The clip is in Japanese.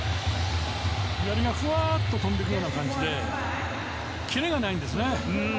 やりが、ふわーっと飛んでいくような感じでキレがないんですね。